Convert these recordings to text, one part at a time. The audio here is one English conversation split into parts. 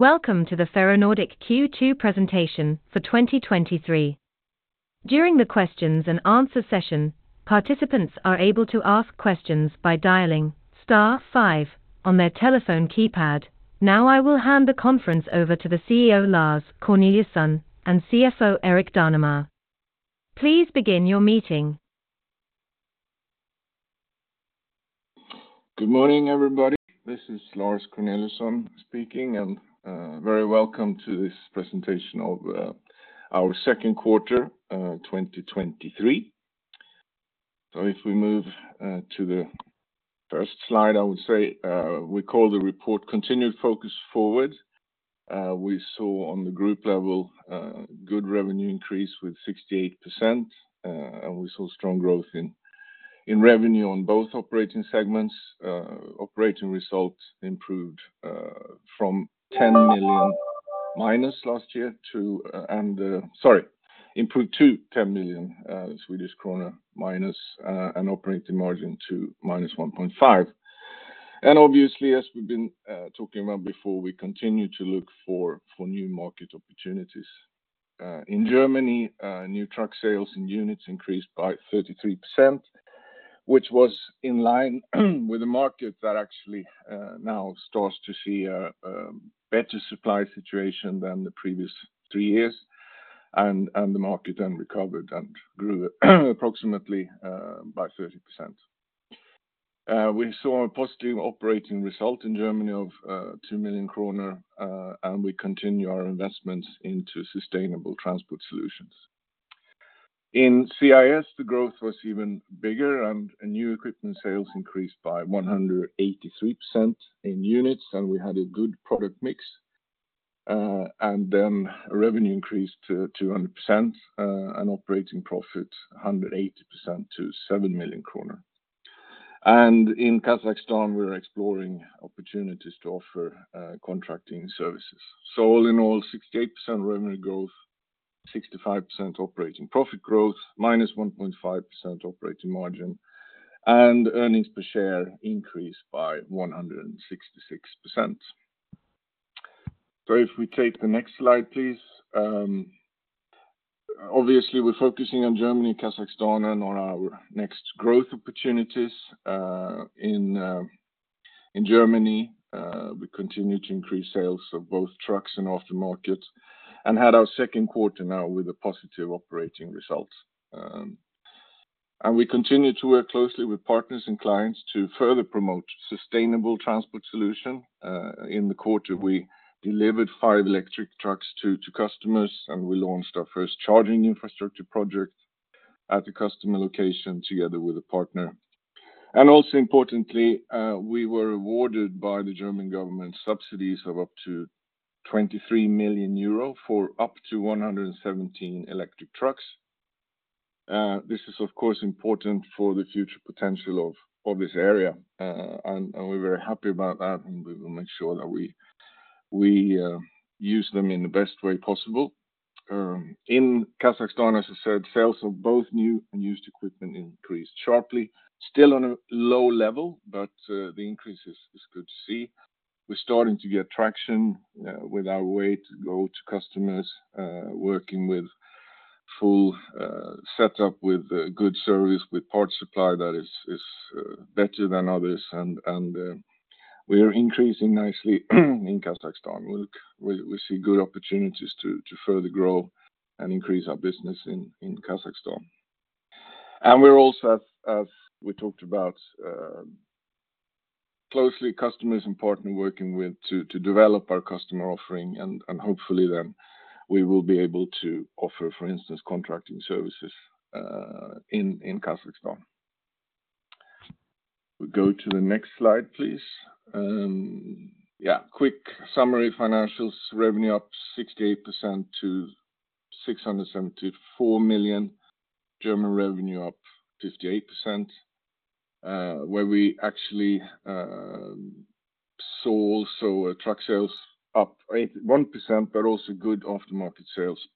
Welcome to the Ferronordic Q2 Presentation for 2023. During the questions and answer session, participants are able to ask questions by dialing star five on their telephone keypad. I will hand the conference over to the CEO, Lars Corneliusson, and CFO, Erik Danemar. Please begin your meeting. Good morning, everybody. This is Lars Corneliusson speaking. Very welcome to this presentation of our second quarter 2023. If we move to the first slide, I would say, we call the report Continued Focus Forward. We saw on the group level good revenue increase with 68%. We saw strong growth in revenue on both operating segments. Operating results improved from 10 million minus last year to, improved to 10 million Swedish krona, minus an operating margin to -1.5%. Obviously, as we've been talking about before, we continue to look for new market opportunities. In Germany, new truck sales and units increased by 33%, which was in line with the market that actually now starts to see a better supply situation than the previous three years. The market then recovered and grew, approximately, by 30%. We saw a positive operating result in Germany of 2 million kronor, and we continue our investments into sustainable transport solutions. In CIS, the growth was even bigger, and new equipment sales increased by 183% in units, and we had a good product mix. Then revenue increased to 200%, and operating profit 180% to 7 million kronor. In Kazakhstan, we're exploring opportunities to offer contracting services. All in all, 68% revenue growth, 65% operating profit growth, -1.5% operating margin, and earnings per share increased by 166%. If we take the next slide, please. Obviously, we're focusing on Germany, Kazakhstan, and on our next growth opportunities. In Germany, we continue to increase sales of both trucks and aftermarket, and had our second quarter now with a positive operating result. We continue to work closely with partners and clients to further promote sustainable transport solution. In the quarter, we delivered five electric trucks to, to customers, and we launched our first charging infrastructure project at the customer location together with a partner. Importantly, we were awarded by the German government subsidies of up to 23 million euro for up to 117 electric trucks. This is, of course, important for the future potential of this area, and we're very happy about that, and we will make sure that we use them in the best way possible. In Kazakhstan, as I said, sales of both new and used equipment increased sharply, still on a low level, but the increase is good to see. We're starting to get traction with our way to go to customers, working with full setup with good service, with parts supply that is better than others, and we are increasing nicely in Kazakhstan. We, we see good opportunities to, to further grow and increase our business in Kazakhstan. We're also, as, as we talked about, closely customers and partner working with to, to develop our customer offering, and, and hopefully then, we will be able to offer, for instance, contracting services in Kazakhstan. We go to the next slide, please. Yeah, quick summary financials, revenue up 68% to 674 million. German revenue up 58%, where we actually saw also truck sales up 1%, but also good aftermarket sales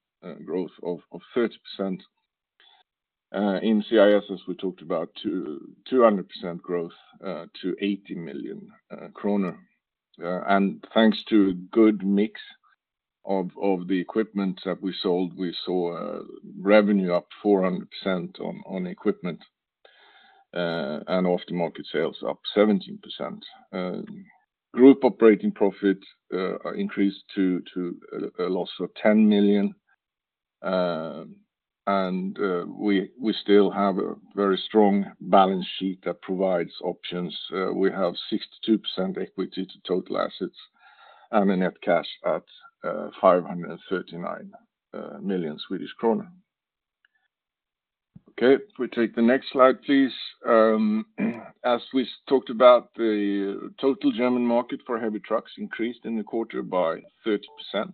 growth of 30%. In CIS, as we talked about, 200% growth to 80 million kronor. And thanks to a good mix of, of the equipment that we sold, we saw revenue up 400% on, on equipment, and off the market, sales up 17%. Group operating profit increased to, to a loss of 10 million, and we still have a very strong balance sheet that provides options. We have 62% equity to total assets, and a net cash at 539 million Swedish kronor. Okay, if we take the next slide, please. As we talked about, the total German market for heavy trucks increased in the quarter by 30%.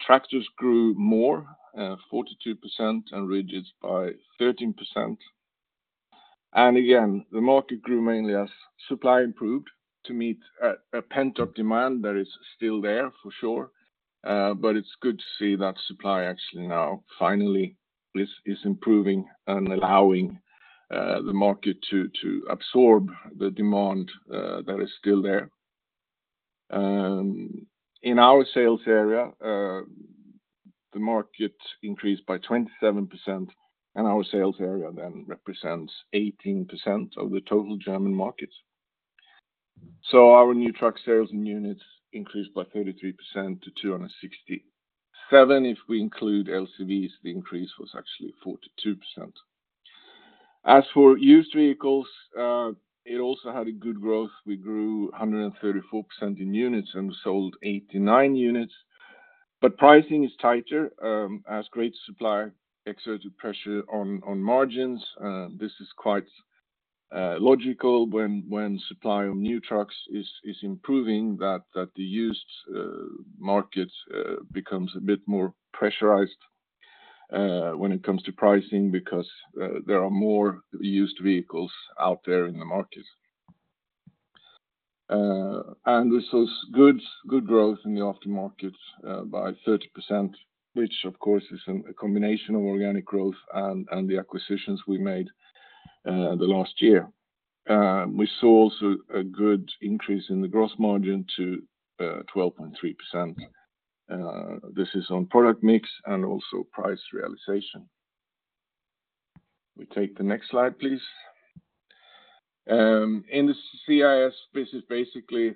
Tractors grew more, 42% and rigids by 13%. Again, the market grew mainly as supply improved to meet a pent-up demand that is still there, for sure. It's good to see that supply actually now, finally, is improving and allowing the market to absorb the demand that is still there. In our sales area, the market increased by 27%, our sales area then represents 18% of the total German market. Our new truck sales and units increased by 33% to 267. If we include LCVs, the increase was actually 42%. As for used vehicles, it also had a good growth. We grew 134% in units and sold 89 units, pricing is tighter as great supply exerted pressure on margins. This is quite logical when, when supply of new trucks is, is improving that, that the used market becomes a bit more pressurized when it comes to pricing, because there are more used vehicles out there in the market. We saw good, good growth in the aftermarket by 30%, which of course, is an, a combination of organic growth and, and the acquisitions we made the last year. We saw also a good increase in the gross margin to 12.3%. This is on product mix and also price realization. We take the next slide, please. In the CIS, this is basically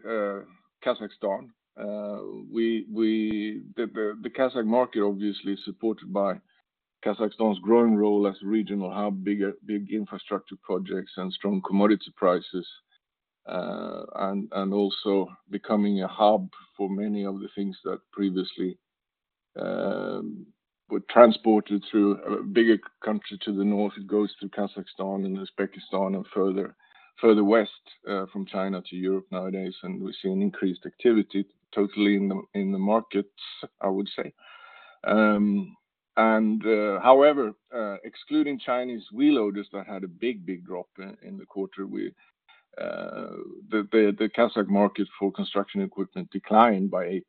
Kazakhstan. The Kazakh market obviously is supported by Kazakhstan's growing role as a regional hub, big infrastructure projects and strong commodity prices, also becoming a hub for many of the things that previously were transported through a bigger country to the north. It goes through Kazakhstan and Uzbekistan and further, further west from China to Europe nowadays, we've seen increased activity totally in the markets, I would say. However, excluding Chinese wheel loaders that had a big drop in the quarter with the Kazakh market for construction equipment declined by 8%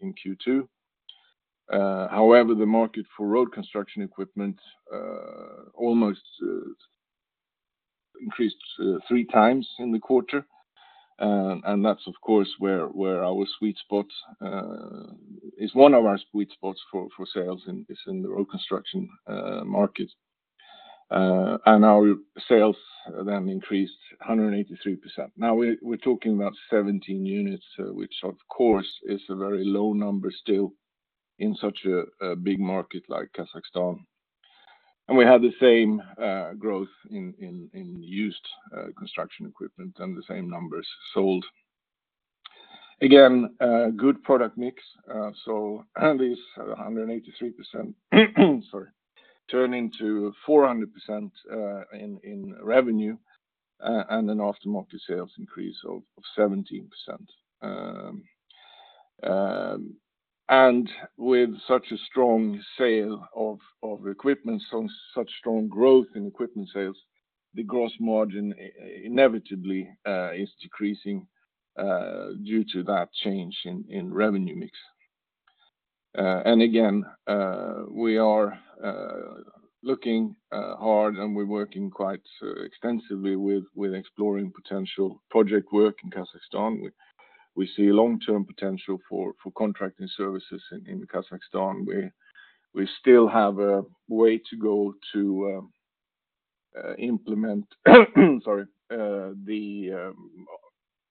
in Q2. However, the market for road construction equipment almost increased 3x in the quarter. That's, of course, where, where our sweet spot, is one of our sweet spots for, for sales is in the road construction, market. Our sales then increased 183%. Now, we're, we're talking about 17 units, which of course, is a very low number still in such a, a big market like Kazakhstan. We had the same growth in, in, in used construction equipment and the same numbers sold. Again, a good product mix, so at least 183%, sorry, turning to 400%, in, in revenue, and an aftermarket sales increase of, of 17%. With such a strong sale of, of equipment, so such strong growth in equipment sales, the gross margin inevitably is decreasing due to that change in, in revenue mix. Again, we are looking hard, and we're working quite extensively with, with exploring potential project work in Kazakhstan. We, we see long-term potential for, for contracting services in, in Kazakhstan. We, we still have a way to go to implement, sorry, the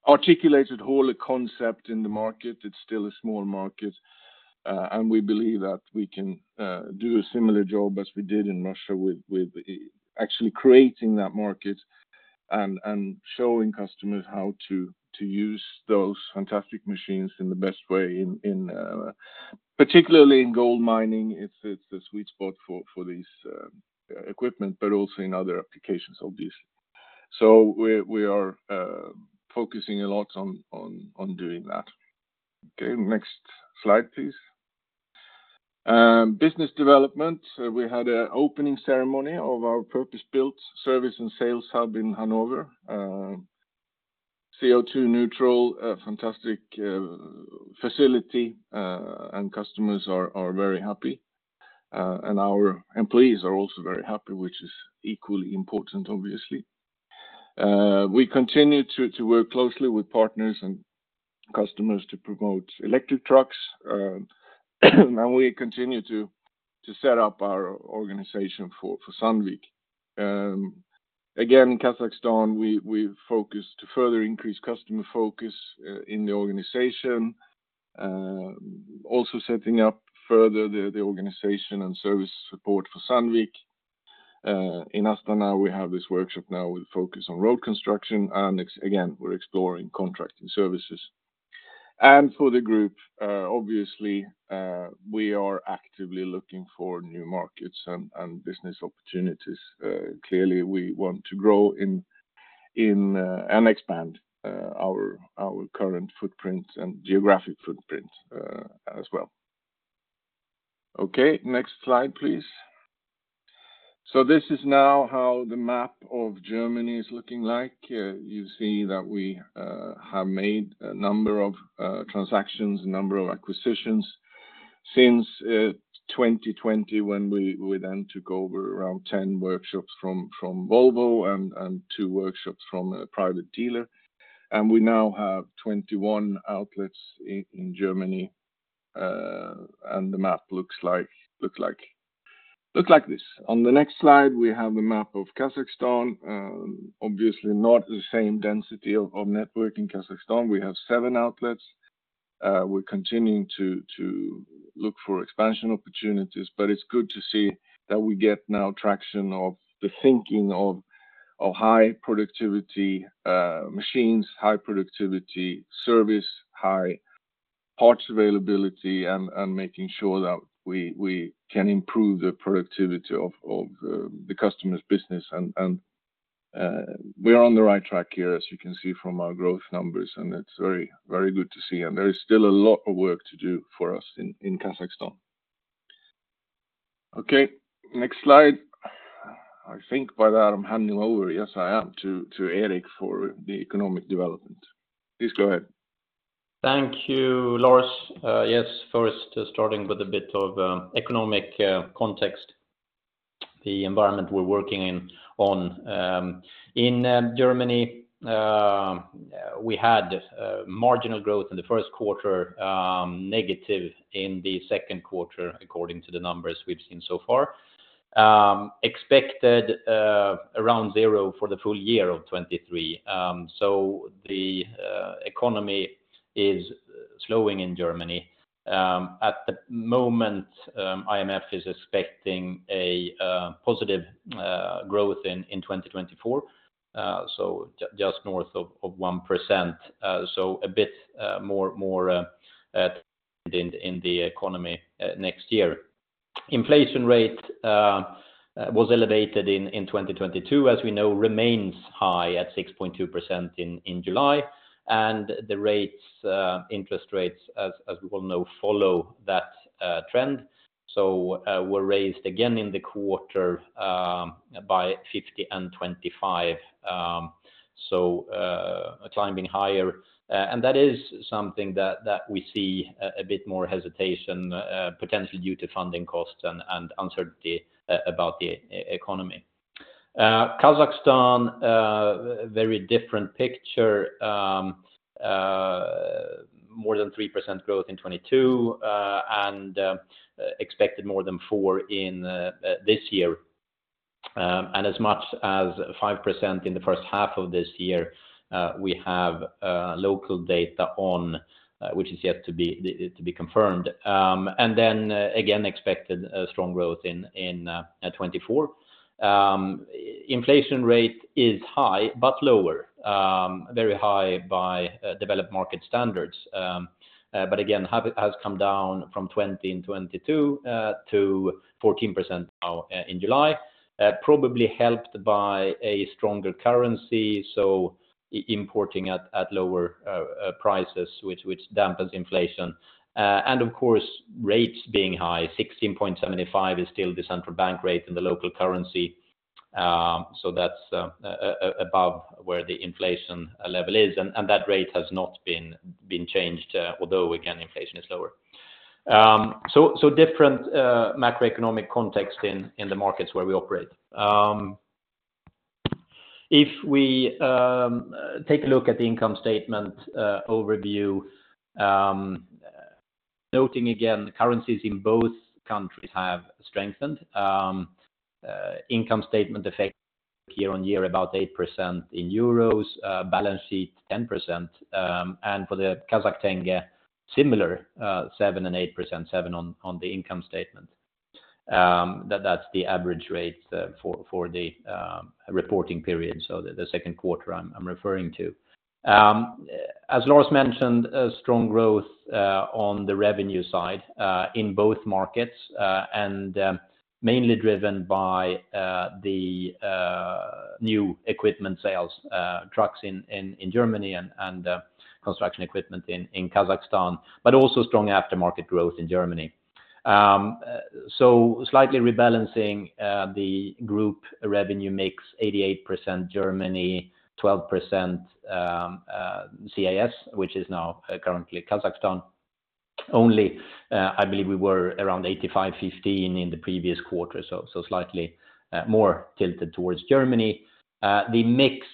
articulated hauler concept in the market. It's still a small market, and we believe that we can do a similar job as we did in Russia with, with actually creating that market and, and showing customers how to, to use those fantastic machines in the best way in, in particularly in gold mining, it's, it's a sweet spot for, for these equipment, but also in other applications, obviously. We, we are focusing a lot on, on, on doing that. Okay, next slide, please. Business development. We had an opening ceremony of our purpose-built service and sales hub in Hannover. CO2 neutral, a fantastic facility, and customers are, are very happy, and our employees are also very happy, which is equally important, obviously. We continue to, to work closely with partners and customers to promote electric trucks, and we continue to, to set up our organization for Sandvik. Again, Kazakhstan, we, we've focused to further increase customer focus in the organization. Also setting up further the, the organization and service support for Sandvik. In Astana, we have this workshop now with focus on road construction, again, we're exploring contracting services. For the group, obviously, we are actively looking for new markets and, and business opportunities. Clearly, we want to grow in, in, and expand our, our current footprint and geographic footprint as well. Okay, next slide, please. This is now how the map of Germany is looking like. You see that we have made a number of transactions, a number of acquisitions.... since 2020 when we, we then took over around 10 workshops from, from Volvo and, and two workshops from a private dealer, and we now have 21 outlets in Germany, and the map looks like, looks like, looks like this. On the next slide, we have a map of Kazakhstan, obviously not the same density of, of network. In Kazakhstan, we have seven outlets. We're continuing to, to look for expansion opportunities, but it's good to see that we get now traction of the thinking of, of high productivity, machines, high productivity service, high parts availability, and, and making sure that we, we can improve the productivity of, of, the customer's business. We are on the right track here, as you can see from our growth numbers, and it's very, very good to see. There is still a lot of work to do for us in, in Kazakhstan. Okay, next slide. I think by that I'm handing over, yes, I am, to, to Erik for the economic development. Please go ahead. Thank you, Lars. Yes, first, starting with a bit of economic context, the environment we're working in on in Germany, we had marginal growth in the first quarter, negative in the second quarter, according to the numbers we've seen so far. Expected around 0 for the full year of 2023. The economy is slowing in Germany. At the moment, IMF is expecting a positive growth in 2024, so just north of 1%, so a bit more, more in the economy next year. Inflation rate was elevated in 2022, as we know, remains high at 6.2% in July, and the rates, interest rates, as we all know, follow that trend. were raised again in the quarter by 50 and 25, climbing higher. That is something that we see a bit more hesitation, potentially due to funding costs and uncertainty about the economy. Kazakhstan, very different picture, more than 3% growth in 2022, and expected more than 4 in this year. As much as 5% in the first half of this year, we have local data on, which is yet to be confirmed. Again, expected a strong growth in 2024. Inflation rate is high, but lower, very high by developed market standards. Again, has come down from 20% in 2022 to 14% now in July. Probably helped by a stronger currency, so importing at lower prices, which dampens inflation. Of course, rates being high, 16.75% is still the central bank rate in the local currency. That's above where the inflation level is, and that rate has not been changed, although again, inflation is lower. So different macroeconomic context in the markets where we operate. If we take a look at the income statement overview, noting again, currencies in both countries have strengthened. Income statement effect year-on-year, about 8% in EUR, balance sheet, 10%. For the Kazakhstani tenge, similar, 7% and 8%, 7% on the income statement. That's the average rate for the reporting period, so the second quarter I'm referring to. As Lars mentioned, a strong growth on the revenue side in both markets, and mainly driven by the new equipment sales, trucks in Germany and construction equipment in Kazakhstan, but also strong aftermarket growth in Germany. Slightly rebalancing, the group revenue makes 88% Germany, 12% CIS, which is now currently Kazakhstan. Only, I believe we were around 85, 15 in the previous quarter, so slightly more tilted towards Germany. The mix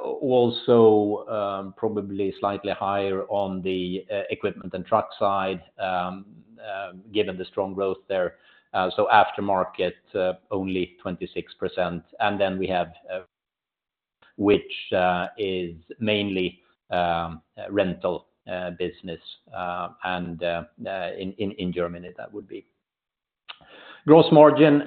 also probably slightly higher on the equipment and truck side, given the strong growth there. Aftermarket, only 26%. Then we have, which is mainly rental business, and in Germany, that would be. Gross margin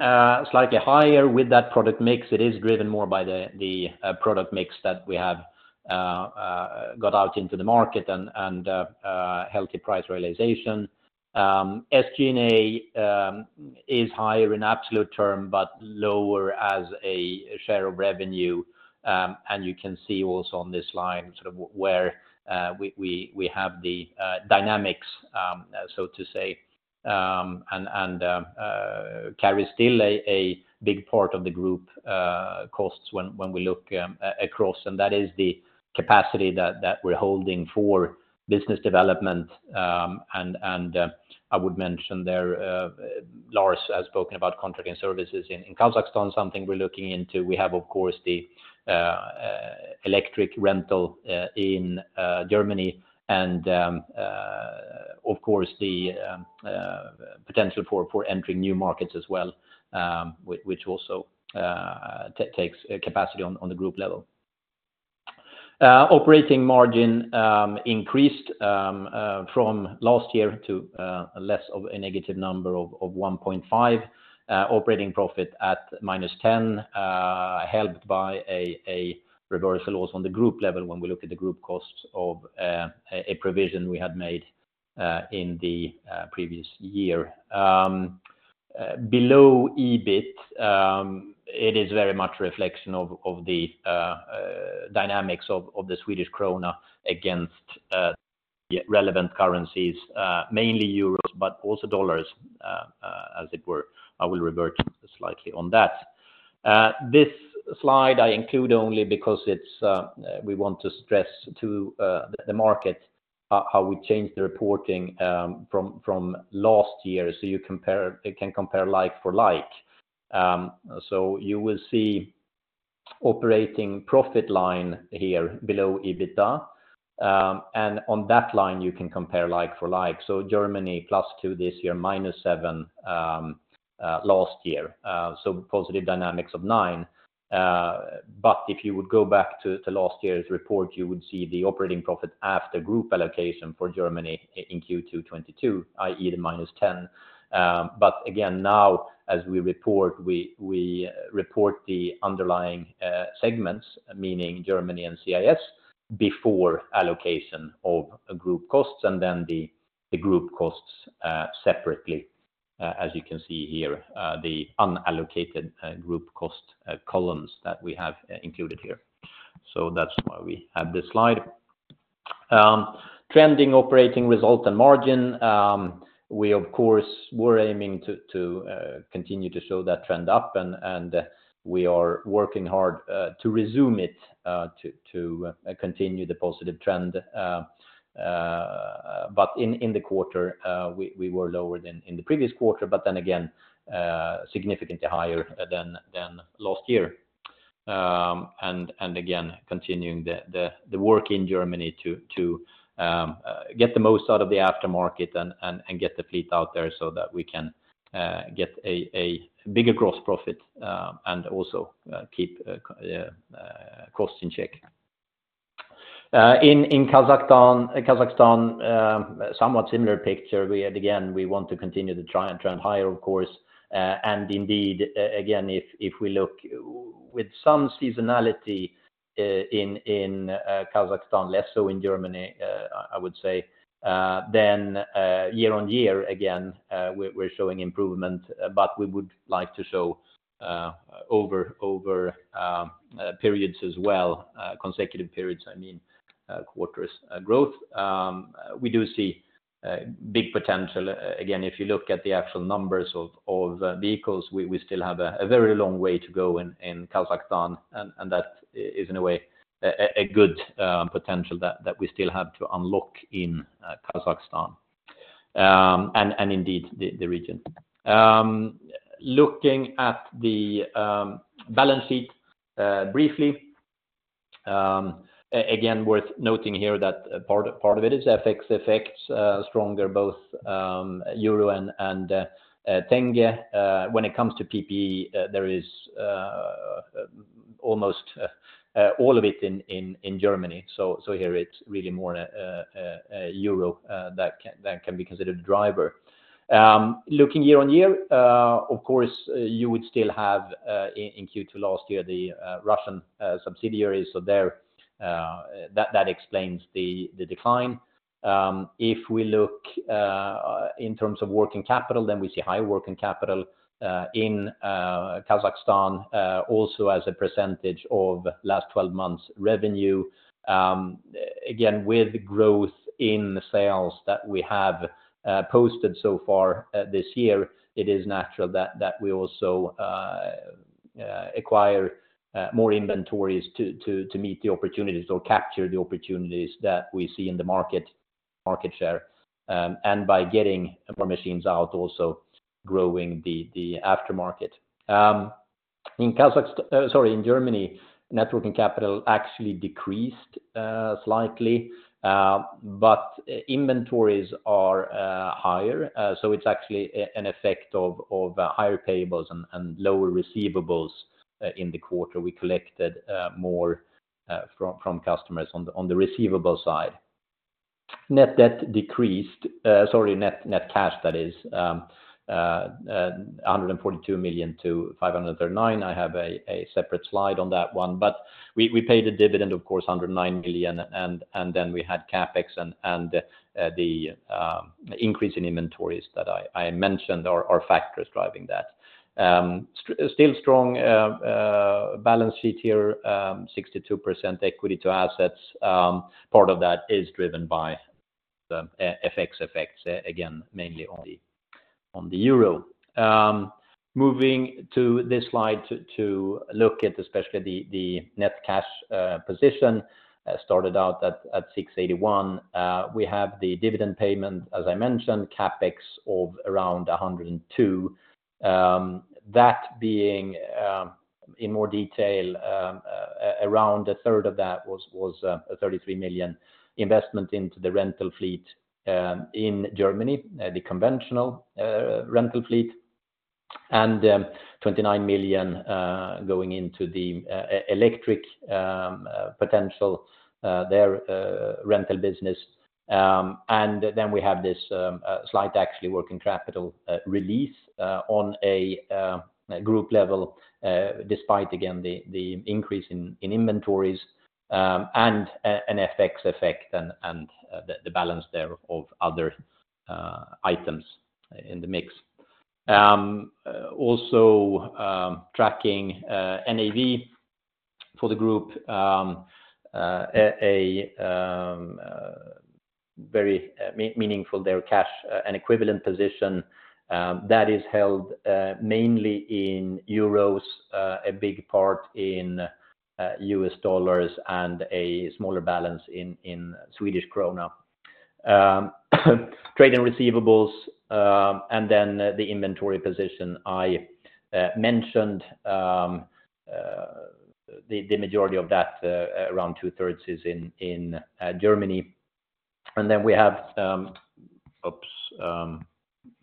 slightly higher with that product mix. It is driven more by the product mix that we have got out into the market and healthy price realization. SG&A is higher in absolute term, but lower as a share of revenue. You can see also on this line, sort of where we have the dynamics, so to say. carries still a big part of the group costs when we look across, and that is the capacity that we're holding for business development. I would mention there, Lars has spoken about contracting services in Kazakhstan, something we're looking into. We have, of course, the electric rental in Germany, and of course, the potential for entering new markets as well, which also takes capacity on the group level. Operating margin increased from last year to less of a negative number of 1.5. Operating profit at minus 10, helped by a reversal also on the group level when we look at the group costs of a provision we had made in the previous year. Below EBIT, it is very much a reflection of the dynamics of the Swedish krona against the relevant currencies, mainly euros, but also US dollars, as it were. I will revert slightly on that. This slide I include only because it's we want to stress to the market how we changed the reporting from last year, so you can compare like for like. You will see operating profit line here below EBITDA, and on that line, you can compare like for like. Germany, +2 this year, -7 last year, so positive dynamics of nine. But if you would go back to last year's report, you would see the operating profit after group allocation for Germany in Q2 2022, i.e., -10. But again, now, as we report, we report the underlying segments, meaning Germany and CIS, before allocation of group costs, and then the group costs separately, as you can see here, the unallocated group cost columns that we have included here. That's why we have this slide. Trending operating result and margin, we, of course, we're aiming to continue to show that trend up, and we are working hard to resume it, to continue the positive trend. In, in the quarter, we, we were lower than in the previous quarter, but then again, significantly higher than, than last year. Again, continuing the, the, the work in Germany to, to, get the most out of the aftermarket and, and, and get the fleet out there so that we can, get a, a bigger gross profit, and also, keep, costs in check. In, in Kazakhstan, Kazakhstan, somewhat similar picture. We again, we want to continue to try and trend higher, of course, and indeed, a-again, if, if we look with some seasonality, in, in, Kazakhstan, less so in Germany, I would say, then, year on year, again, we're, we're showing improvement, but we would like to show, over, over, periods as well, consecutive periods, I mean, quarters growth. We do see big potential. Again, if you look at the actual numbers of, of vehicles, we, we still have a, a very long way to go in, in Kazakhstan, and, and that is in a way, a, a, a good potential that, that we still have to unlock in Kazakhstan, and, and indeed, the, the region. Looking at the balance sheet, briefly, worth noting here that a part of it is FX effects, stronger, both euro and Tenge. When it comes to PPE, there is almost all of it in Germany. Here it's really more a euro that can be considered a driver. Looking year on year, of course, you would still have in Q2 last year, the Russian subsidiary. There, that explains the decline. If we look in terms of working capital, then we see high working capital in Kazakhstan, also as a percentage of last 12 months revenue. Again, with growth in sales that we have posted so far this year, it is natural that we also acquire more inventories to meet the opportunities or capture the opportunities that we see in the market, market share, and by getting more machines out, also growing the aftermarket. In Kazakhstan, sorry, in Germany, net working capital actually decreased slightly, but inventories are higher, so it's actually an effect of higher payables and lower receivables in the quarter. We collected more from customers on the receivable side. Net debt decreased, sorry, net cash, that is, 142 million-539 million. I have a separate slide on that one, but we paid a dividend, of course, under 9 million, and then we had CapEx and the increase in inventories that I mentioned are factors driving that. Still strong balance sheet here, 62% equity to assets. Part of that is driven by the FX effects, again, mainly on the euro. Moving to this slide to look at especially the net cash position, started out at 681. We have the dividend payment, as I mentioned, CapEx of around 102 million. That being in more detail, around a third of that was a 33 million investment into the rental fleet in Germany, the conventional rental fleet, and 29 million going into the e-electric potential there, rental business. Then we have this slight actually working capital release on a group level, despite again, the increase in inventories, and an FX effect and the balance there of other items in the mix. Also tracking NAV for the group, a very meaningful cash and equivalent position that is held mainly in euros, a big part in US dollars, and a smaller balance in Swedish krona. Trade and receivables, and then the inventory position I mentioned, the majority of that, around two-thirds is in Germany. Then we have... Oops,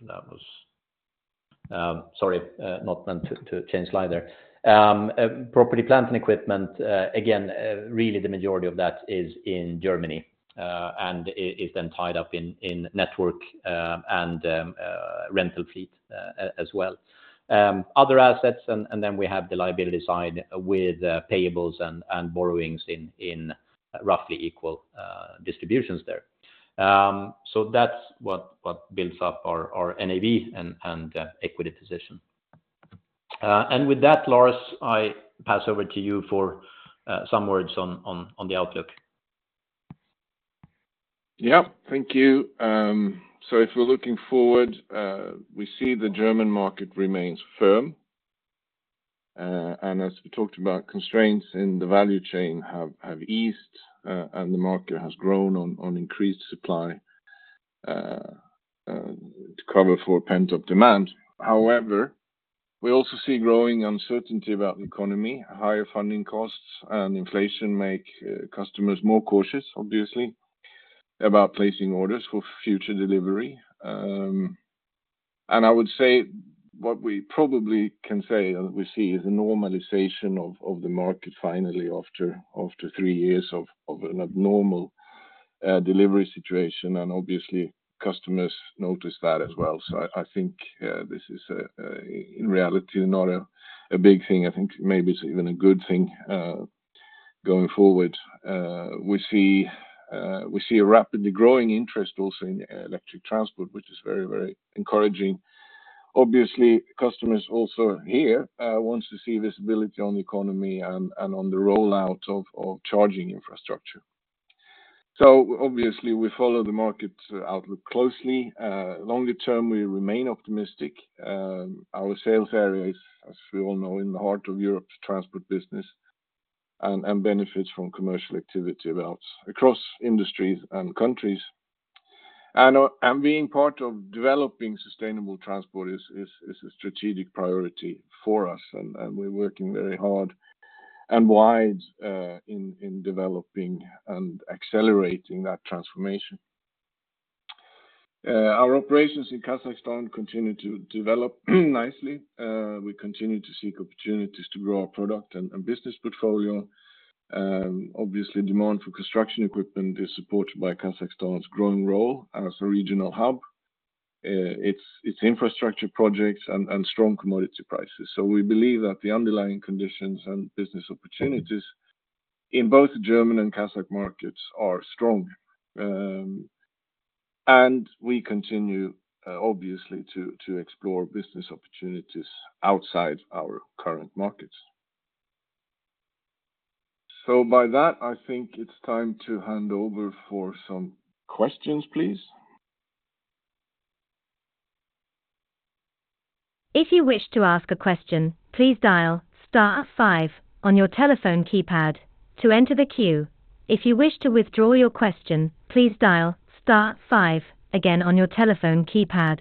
that was, sorry, not meant to change slide there. Property, plant, and equipment, again, really the majority of that is in Germany, and is then tied up in network, and rental fleet, as well. Other assets, then we have the liability side with payables and borrowings in roughly equal distributions there. That's what builds up our NAV and equity position. With that, Lars, I pass over to you for some words on the outlook. Yeah. Thank you. If we're looking forward, we see the German market remains firm. As we talked about, constraints in the value chain have eased, and the market has grown on increased supply, to cover for pent-up demand. We also see growing uncertainty about the economy, higher funding costs and inflation make customers more cautious, obviously, about placing orders for future delivery. I would say what we probably can say, and we see is a normalization of the market finally after three years of an abnormal delivery situation, and obviously, customers notice that as well. I think, this is a in reality, not a big thing. I think maybe it's even a good thing, going forward. We see a rapidly growing interest also in electric transport, which is very, very encouraging. Obviously, customers also here, wants to see visibility on the economy and on the rollout of charging infrastructure. Obviously, we follow the market outlook closely. Longer term, we remain optimistic. Our sales area is, as we all know, in the heart of Europe's transport business, and benefits from commercial activity across industries and countries. Being part of developing sustainable transport is a strategic priority for us, and we're working very hard and wide in developing and accelerating that transformation. Our operations in Kazakhstan continue to develop nicely. We continue to seek opportunities to grow our product and business portfolio. Obviously, demand for construction equipment is supported by Kazakhstan's growing role as a regional hub. It's infrastructure projects and, and strong commodity prices. We believe that the underlying conditions and business opportunities in both German and Kazakh markets are strong. We continue, obviously, to, to explore business opportunities outside our current markets. By that, I think it's time to hand over for some questions, please. If you wish to ask a question, please dial star five on your telephone keypad to enter the queue. If you wish to withdraw your question, please dial star five again on your telephone keypad.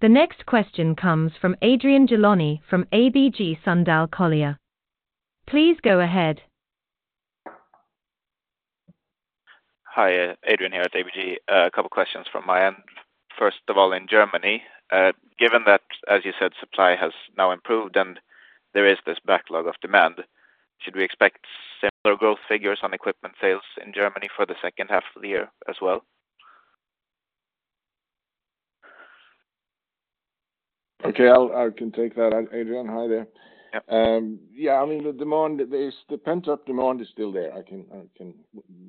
The next question comes from Adrian Gilani from ABG Sundal Collier. Please go ahead. Hi, Adrian here at ABG. A couple questions from my end. First of all, in Germany, given that, as you said, supply has now improved and there is this backlog of demand, should we expect similar growth figures on equipment sales in Germany for the second half of the year as well? Okay, I can take that, Adrian. Hi there. Yep. Yeah, I mean, the demand is, the pent-up demand is still there. I can, I can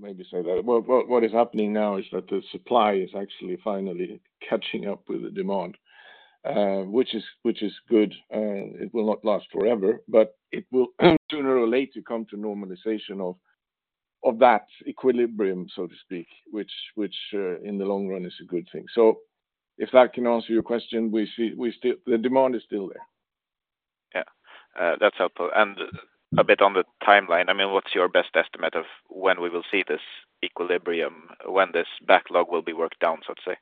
maybe say that. What, what, what is happening now is that the supply is actually finally catching up with the demand. which is, which is good, it will not last forever, but it will sooner or later come to normalization of, of that equilibrium, so to speak, which, which, in the long run is a good thing. So if that can answer your question, we see, we still, the demand is still there. Yeah, that's helpful. A bit on the timeline, I mean, what's your best estimate of when we will see this equilibrium, when this backlog will be worked down, so to say?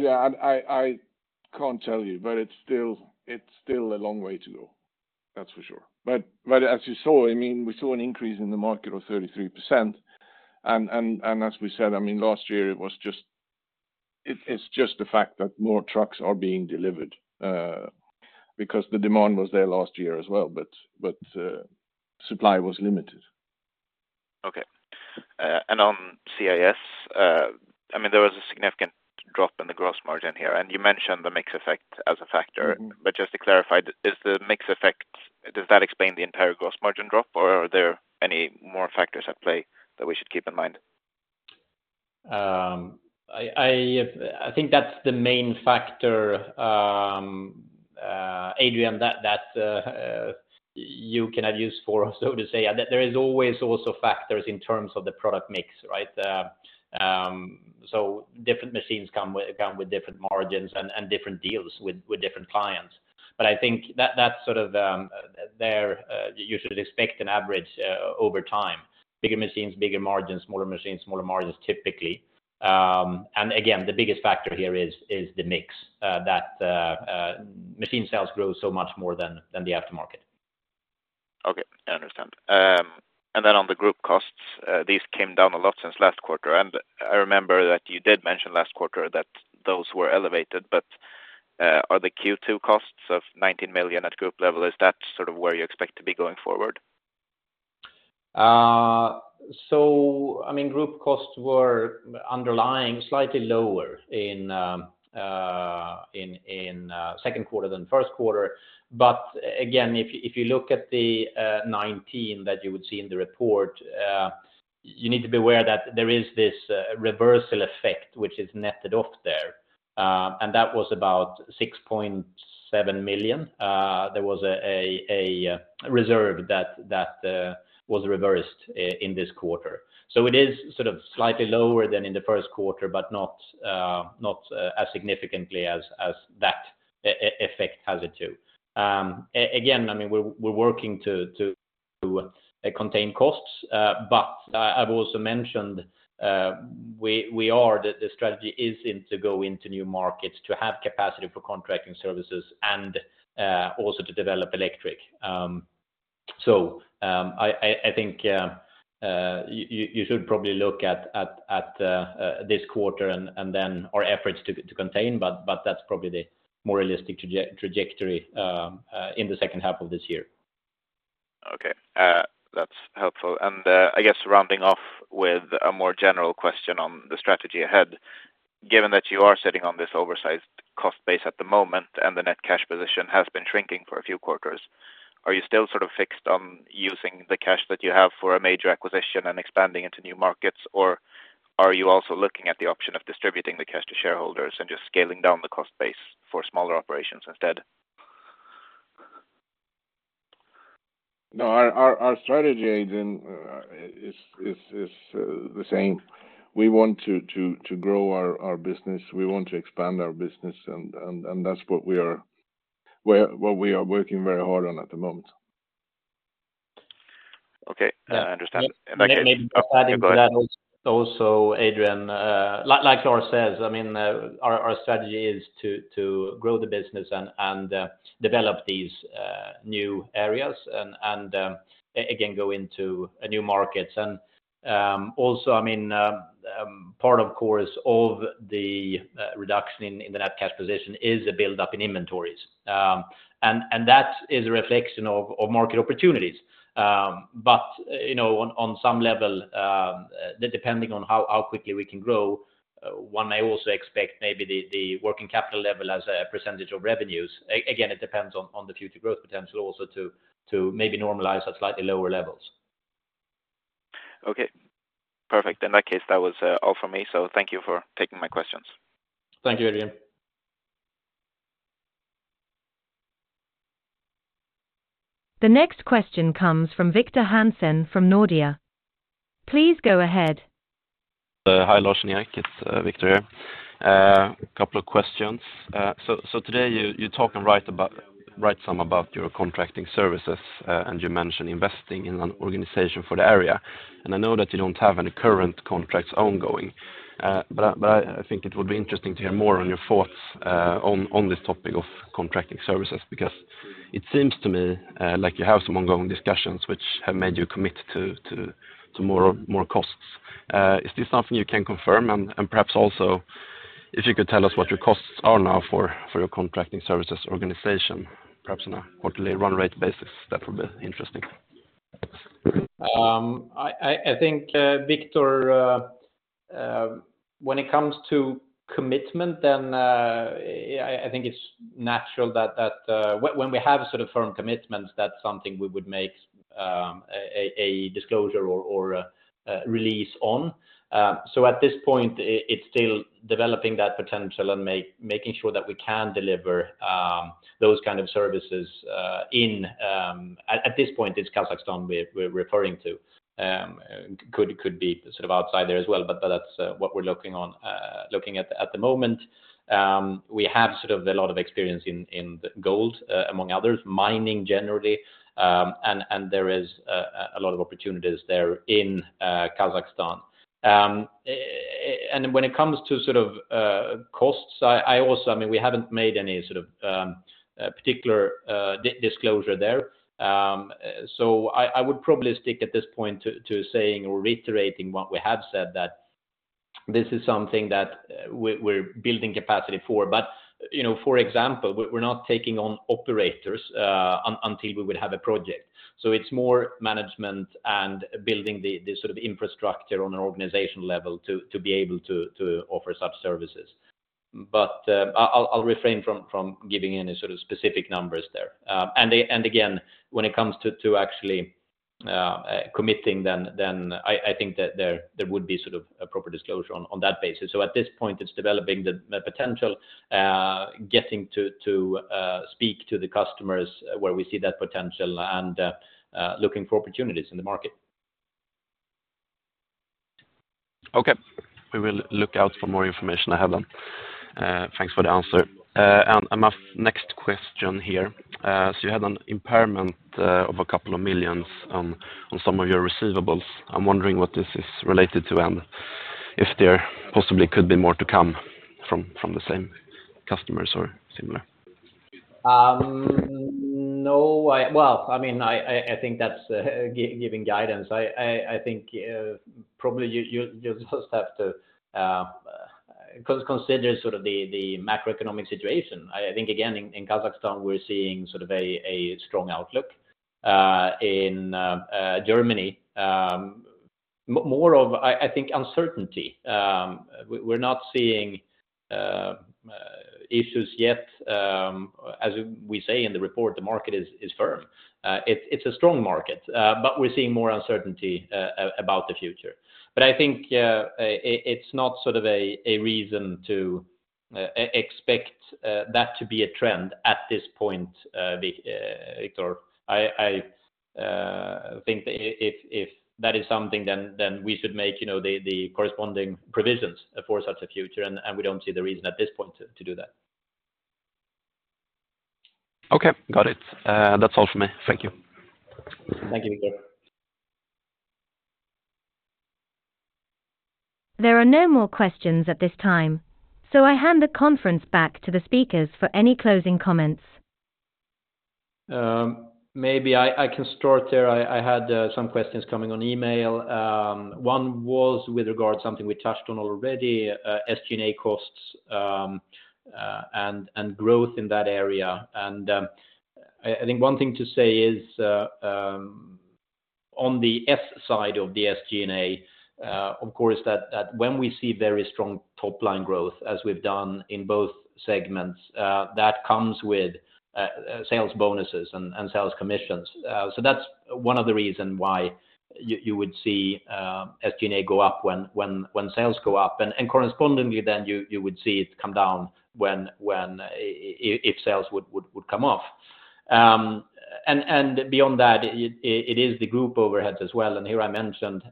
Yeah, I, I, I can't tell you, but it's still, it's still a long way to go. That's for sure. But as you saw, I mean, we saw an increase in the market of 33%. And as we said, I mean, last year, it, it's just the fact that more trucks are being delivered because the demand was there last year as well, but, but supply was limited. Okay. On CIS, I mean, there was a significant drop in the gross margin here, and you mentioned the mix effect as a factor. Mm-hmm. Just to clarify, is the mix effect, does that explain the entire gross margin drop, or are there any more factors at play that we should keep in mind? I think that's the main factor, Adrian, that you can have use for, so to say. There is always also factors in terms of the product mix, right? Different machines come with different margins and different deals with different clients. I think that's sort of, there, you should expect an average over time. Bigger machines, bigger margins, smaller machines, smaller margins, typically. Again, the biggest factor here is the mix that machine sales grow so much more than the aftermarket. Okay, I understand. On the group costs, these came down a lot since last quarter, and I remember that you did mention last quarter that those were elevated, are the Q2 costs of 19 million at group level, is that sort of where you expect to be going forward? I mean, group costs were underlying slightly lower in, in Q2 than Q1. Again, if you look at the 19 that you would see in the report, you need to be aware that there is this reversal effect, which is netted off there. That was about 6.7 million. There was a reserve that was reversed in this Q2. It is sort of slightly lower than in Q1, but not as significantly as that effect has it to. Again, I mean, we're, we're working to, to, to contain costs, but I, I've also mentioned, we are, the, the strategy is in to go into new markets, to have capacity for contracting services and also to develop electric. So, I, I, I think, you, you, you should probably look at, at, at this quarter and, and then our efforts to, to contain, but, but that's probably the more realistic trajectory in the second half of this year. Okay, that's helpful. I guess rounding off with a more general question on the strategy ahead. Given that you are sitting on this oversized cost base at the moment, and the net cash position has been shrinking for a few quarters, are you still sort of fixed on using the cash that you have for a major acquisition and expanding into new markets? Or are you also looking at the option of distributing the cash to shareholders and just scaling down the cost base for smaller operations instead? No, our, our, our strategy, Adrian, is, is, is, the same. We want to, to, to grow our, our business. We want to expand our business, and, and, and that's what we are, what we are working very hard on at the moment. Okay, I understand. Yeah. In that case. Oh, go ahead. Also, Adrian, like, like Lars says, I mean, our strategy is to, to grow the business and, and, develop these, new areas and, and, again, go into a new markets. Also, I mean, part, of course, of the, reduction in, in the net cash position is a build-up in inventories. And that is a reflection of market opportunities. But, you know, on, on some level, the depending on how, how quickly we can grow, one may also expect maybe the, the working capital level as a percentage of revenues. Again, it depends on, on the future growth potential also to, to maybe normalize at slightly lower levels. Okay, perfect. In that case, that was all for me, so thank you for taking my questions. Thank you, Adrian. The next question comes from Victor Hansen, from Nordea. Please go ahead. Hi, Lars and Erik, it's Victor here. A couple of questions. So today, you talk and write some about your contracting services, and you mentioned investing in an organization for the area. I know that you don't have any current contracts ongoing, but I think it would be interesting to hear more on your thoughts on this topic of contracting services, because it seems to me, like you have some ongoing discussions which have made you commit to more, more costs. Is this something you can confirm? And perhaps also, if you could tell us what your costs are now for your contracting services organization, perhaps on a quarterly run rate basis, that would be interesting. I, I think, Victor, when it comes to commitment, then, I, I think it's natural that, that, when, when we have sort of firm commitments, that's something we would make, a, a, a disclosure or, or, a release on. At this point, it's still developing that potential and make making sure that we can deliver, those kind of services, in, at, at this point, it's Kazakhstan we're, we're referring to, could, could be sort of outside there as well, but that's what we're looking on, looking at, at the moment. We have sort of a lot of experience in, in gold, among others, mining generally, and, and there is, a lot of opportunities there in, Kazakhstan. When it comes to sort of costs, I, I also, I mean, we haven't made any sort of particular disclosure there. I, I would probably stick at this point to, to saying or reiterating what we have said, that this is something that we're, we're building capacity for. You know, for example, we're, we're not taking on operators until we would have a project. It's more management and building the, the sort of infrastructure on an organizational level to, to be able to, to offer such services. I'll, I'll refrain from, from giving any sort of specific numbers there. Again, when it comes to, to actually committing, then, then I, I think that there, there would be sort of appropriate disclosure on, on that basis. At this point, it's developing the, the potential, getting to, to, speak to the customers where we see that potential and, looking for opportunities in the market. Okay. We will look out for more information ahead, then. Thanks for the answer. My next question here, so you had an impairment of a couple of millions on some of your receivables. I'm wondering what this is related to and if there possibly could be more to come from the same customers or similar? No, I... Well, I mean, I, I think that's giving guidance. I, I think, probably you, you, you just have to consider sort of the, the macroeconomic situation. I, I think, again, in Kazakhstan, we're seeing sort of a, a strong outlook, in Germany, more of, I, I think, uncertainty. We're not seeing issues yet, as we say in the report, the market is firm. It's, it's a strong market, but we're seeing more uncertainty about the future. I think it's not sort of a, a reason to expect that to be a trend at this point, Victor. I, I, think if, if that is something, then, then we should make, you know, the, the corresponding provisions for such a future, and, and we don't see the reason at this point to, to do that. Okay, got it. That's all for me. Thank you. Thank you, Victor. There are no more questions at this time, so I hand the conference back to the speakers for any closing comments. Maybe I, I can start there. I, I had some questions coming on email. One was with regard something we touched on already, SG&A costs, and growth in that area. I, I think one thing to say is on the S side of the SG&A, of course, that, that when we see very strong top line growth, as we've done in both segments, that comes with sales bonuses and sales commissions. That's one of the reason why you, you would see SG&A go up when, when, when sales go up, and correspondingly, then you, you would see it come down when, when if sales would, would, would come off. Beyond that, it, it is the group overheads as well. Here I mentioned,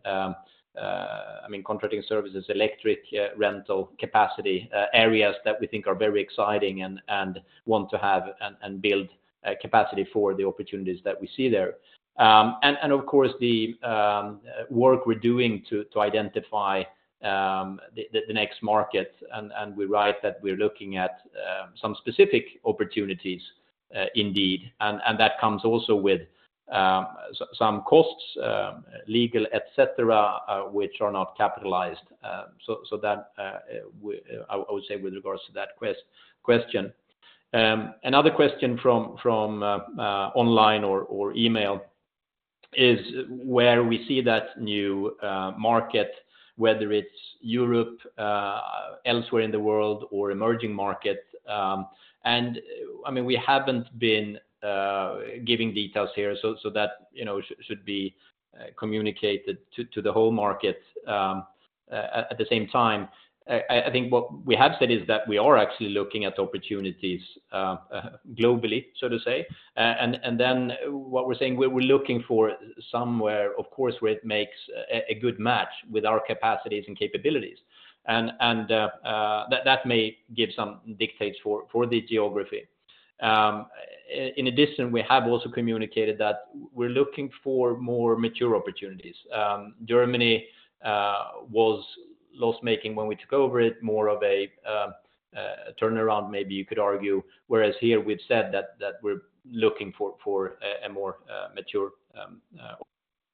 I mean, contracting services, electric rental capacity, areas that we think are very exciting and, and want to have and, and build capacity for the opportunities that we see there. Of course, the work we're doing to, to identify the, the next market, and, and we write that we're looking at some specific opportunities indeed, and, and that comes also with some costs, legal, et cetera, which are not capitalized. That, I, I would say with regards to that question. Another question from, from online or, or email is where we see that new market, whether it's Europe, elsewhere in the world or emerging markets, and, I mean, we haven't been giving details here, so, so that, you know, should be communicated to, to the whole market. At, at the same time, I, I think what we have said is that we are actually looking at opportunities globally, so to say, and, and then what we're saying, we're looking for somewhere, of course, where it makes a good match with our capacities and capabilities, and, and that, that may give some dictates for, for the geography. In addition, we have also communicated that we're looking for more mature opportunities. Germany was loss-making when we took over it, more of a turnaround, maybe you could argue, whereas here we've said that, that we're looking for, for a more mature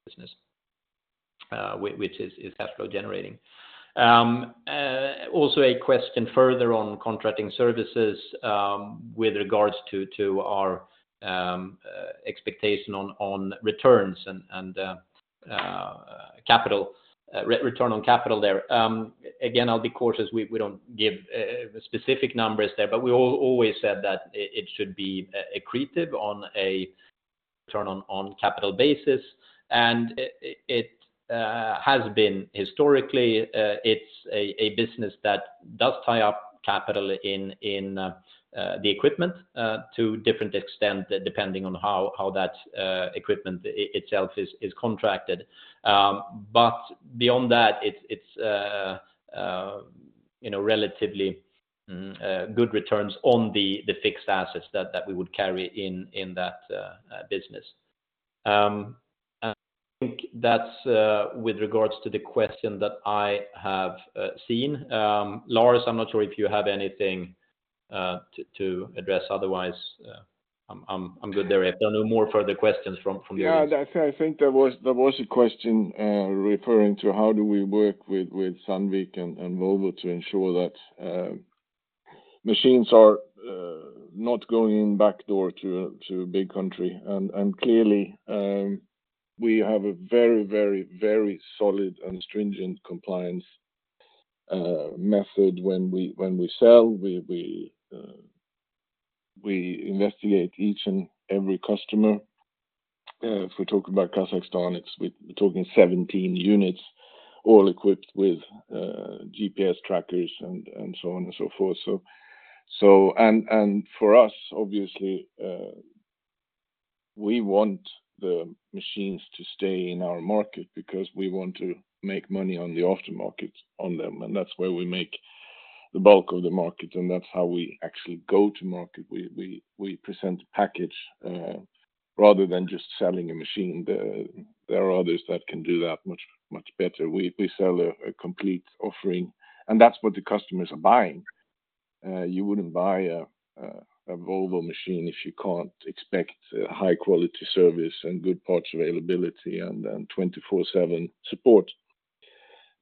business, which is cash flow generating. Also a question further on contracting services, with regards to our expectation on returns and capital return on capital there. Again, I'll be cautious, we don't give specific numbers there, but we always said that it should be accretive on a return on capital basis, and it has been historically, it's a business that does tie up capital in the equipment to different extent, depending on how that equipment itself is contracted. Beyond that, it's, it's, you know, relatively good returns on the, the fixed assets that, that we would carry in, in that business. I think that's with regards to the question that I have seen. Lars, I'm not sure if you have anything to, to address, otherwise, I'm, I'm, I'm good there. If there are no more further questions from, from the audience. Yeah, that's I think there was, there was a question, referring to how do we work with, with Sandvik and, and Volvo to ensure that machines are not going in backdoor to a, to a big country? Clearly, we have a very, very, very solid and stringent compliance method when we, when we sell. We, we, we investigate each and every customer. If we're talking about Kazakhstan, it's we're talking 17 units, all equipped with GPS trackers and, and so on and so forth. For us, obviously, we want the machines to stay in our market because we want to make money on the aftermarket on them, and that's where we make the bulk of the market, and that's how we actually go to market. We, we, we present a package rather than just selling a machine. There, there are others that can do that much, much better. We, we sell a complete offering. That's what the customers are buying. You wouldn't buy a Volvo machine if you can't expect a high-quality service and good parts availability and then 24/7 support.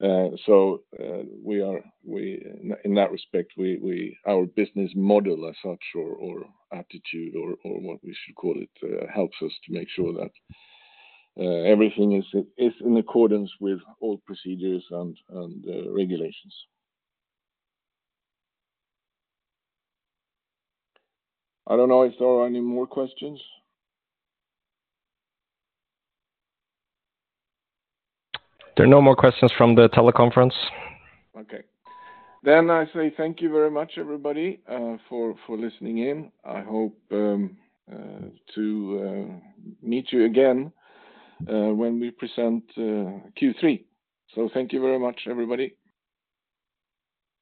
In that respect, our business model as such or aptitude or what we should call it, helps us to make sure that everything is in accordance with all procedures and regulations. I don't know if there are any more questions. There are no more questions from the teleconference. Okay. I say thank you very much, everybody, for, for listening in. I hope to meet you again when we present Q3. Thank you very much, everybody.